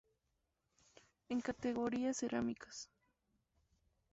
En categoría cerámicas.